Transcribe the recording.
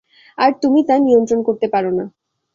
আর তুমি তা নিয়ন্ত্রণ করতে পারো না।